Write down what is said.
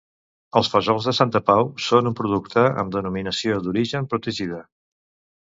Els Fesols de Santa Pau són un producte amb Denominació d'Origen Protegida.